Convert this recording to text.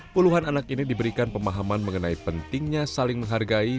puluhan anak ini diberikan pemahaman mengenai pentingnya saling menghargai